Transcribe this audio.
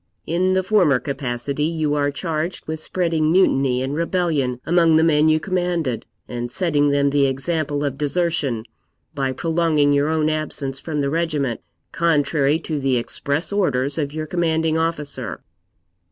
In the former capacity you are charged with spreading mutiny and rebellion among the men you commanded, and setting them the example of desertion, by prolonging your own absence from the regiment, contrary to the express orders of your commanding officer.